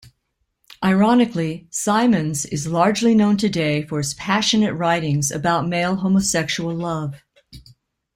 Ironically, Symonds is largely known today for his passionate writings about male homosexual love.